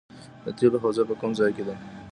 د تیلو حوزه په کوم ځای کې ده؟